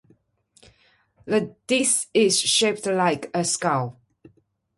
The disc is shaped like a skull.